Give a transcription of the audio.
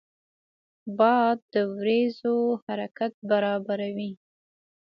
باد د وریځو حرکت برابروي